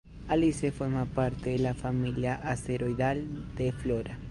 Alice forma parte de la familia asteroidal de Flora.